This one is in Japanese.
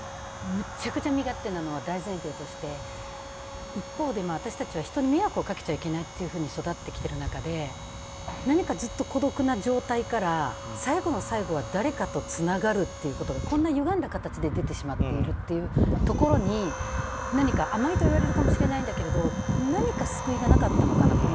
無茶苦茶、身勝手なのは大前提として一方で、私たちは人に迷惑をかけちゃいけないというふうに育ってきている中で何かずっと孤独な状態から最後の最後は誰かとつながるということがこんなにゆがんだ形で出てしまっているというところに何か甘えと言われるかもしれないんだけど何か救いがなかったのかな